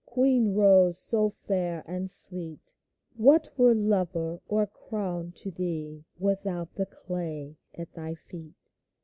Queen rose, so fair and sweet, What were lover or crown to thee Without the Clay at thy feet?